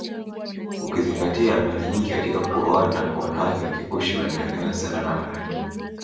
Ukizingatia mara nyingi katika kuoana wanawake wa Kikushi waliolewa sana na Warangi